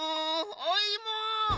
おいも！